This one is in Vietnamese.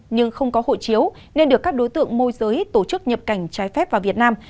nhưng không có hộ chiếu nên được các đối tượng môi giới tổ chức nhập cảnh trái phép vào việt nam